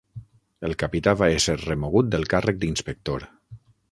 El capità va ésser remogut del càrrec d'inspector.